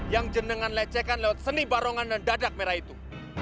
yang jenengan lecekan lewat seni barongan dan dadak merah itu